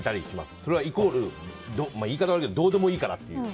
それはイコール言い方悪いけどどうでもいいからっていう。